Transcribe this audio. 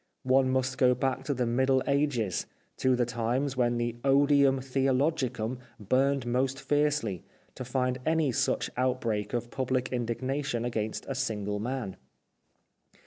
One must go back to the Middle Ages, to the times when the odium theologicum burned most fiercely, to find any such outbreak of pubhc indignation against a single man.